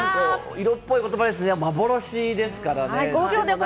色っぽい言葉ですね、幻です